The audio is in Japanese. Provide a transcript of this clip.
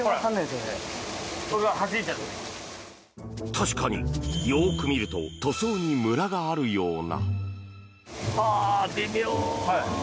確かに、よく見ると塗装にムラがあるような。